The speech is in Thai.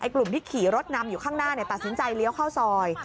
กลุ่มที่ขี่รถนำอยู่ข้างหน้าตัดสินใจเลี้ยวเข้าซอย